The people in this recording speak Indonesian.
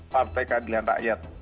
partai keadilan rakyat